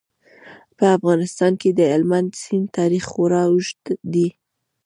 په افغانستان کې د هلمند سیند تاریخ خورا اوږد دی.